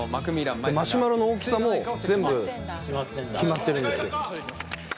マシュマロの大きさも全部決まってるんですよ。